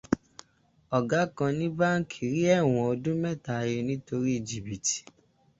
Ọ̀gá kan ní báńkì rí ẹ̀wọ̀n ọdún méta he nítorí jìbìtì